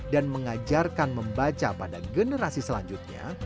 dan mengajarkan membaca pada generasi selanjutnya